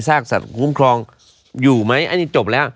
สัตว์สัตวคุ้มครองอยู่ไหมอันนี้จบแล้ว